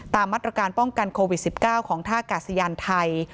ตามมาตรการป้องกันโควิด๑๙ของท่ากาศยานไทย